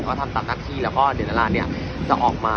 ก็ทำตามหน้าที่แล้วก็เดี๋ยวนาราเนี่ยจะออกมา